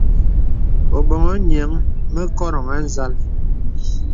Ō boŋhi nīəŋ mə koròŋ à nzàl.